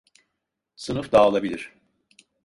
Sınıf dağılabilir.